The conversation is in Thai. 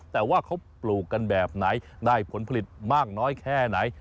แต่ว่าเขาปลูกกันแบบไหนได้ผลผลิตมากน้อยแค่ไหน